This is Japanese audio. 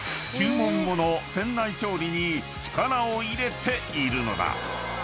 ［注文後の店内調理に力を入れているのだ］